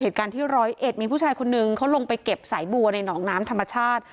เหตุการณ์ที่ร้อยเอ็ดมีผู้ชายคนนึงเขาลงไปเก็บสายบัวในหนองน้ำธรรมชาติ